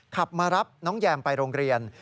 ขับมารับน้องแยมไปโรงเรียน